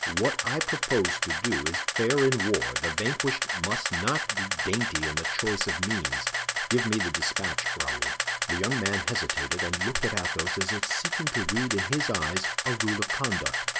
What I propose to do is fair in war; the vanquished must not be dainty in the choice of means. Give me the despatch, Raoul." The young man hesitated and looked at Athos as if seeking to read in his eyes a rule of conduct.